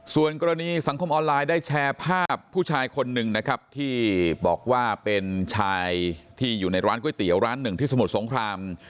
ส่วนกรณีสังคมออนไลน์ได้แชร์ภาพผู้ชายคนหนึ่งนะครับที่บอกว่าเป็นชายที่อยู่ในร้านก๋วยเตี๋ยวร้านหนึ่งที่สมุทรสงคราม